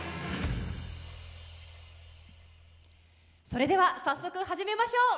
それでは早速始めましょう。